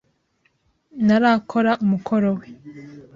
ntarakora umukoro we.